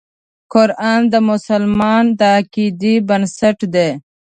قرآن د مسلمان د عقیدې بنسټ دی.